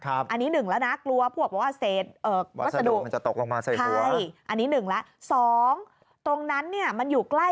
อันนี้หนึ่งแล้วนะ